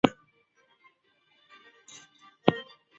这样做的目的是为了防止华人援助马来亚共产党。